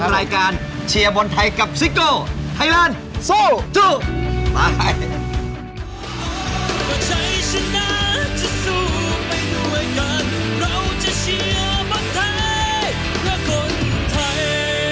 รายการเชียร์บรรไทยกับซิกโก้ไทยลานสู้ไป